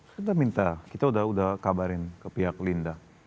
kita minta kita sudah kabarin ke pihak linda